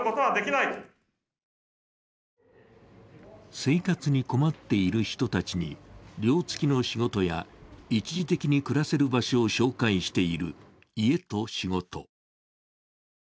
生活に困っている人たちに寮付きの仕事や一時的に暮らせる場所を紹介している、いえとしごと。